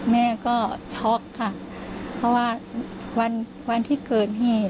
แม่ก็ช็อกค่ะเพราะว่าวันที่เกิดเหตุ